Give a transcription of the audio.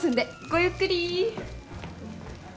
ごゆっくり！